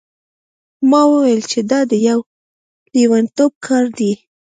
ما وویل چې دا د یو لیونتوب کار دی.